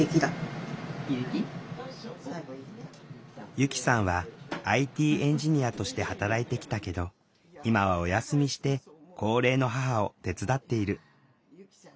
由希さんはＩＴエンジニアとして働いてきたけど今はお休みして高齢の母を手伝っている。